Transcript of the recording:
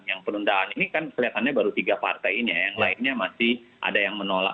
yang penundaan ini kan kelihatannya baru tiga partainya yang lainnya masih ada yang menolak